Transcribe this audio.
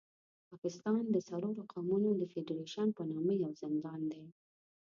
پاکستان د څلورو قومونو د فېډرېشن په نامه یو زندان دی.